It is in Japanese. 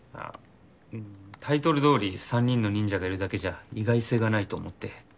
タイトルどおり３人の忍者がいるだけじゃ意外性がないと思って。